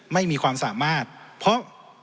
ไม่มีความสามารถเพราะ